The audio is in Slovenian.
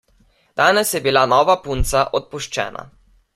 Danes je bila nova punca odpuščena.